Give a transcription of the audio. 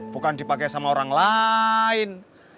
bukan dipakai sama orang lain